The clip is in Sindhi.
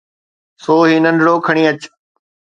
سو هي ننڍڙو کڻي اچ.